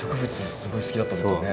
すごい好きだったんですよね。